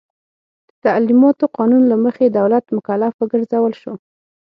د تعلیماتو قانون له مخې دولت مکلف وګرځول شو.